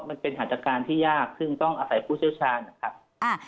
มันเป็นหาจัดการที่ยากซึ่งต้องอาศัยผู้เชี่ยวชาญนะครับ